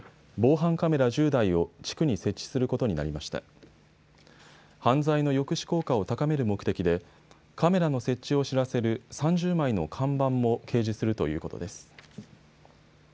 犯罪の抑止効果を高める目的でカメラの設置を知らせる３０枚の看板も掲示するということです。